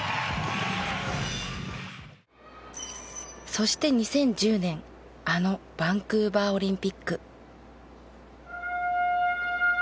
そして２０１０年あのバンクーバーオリンピック。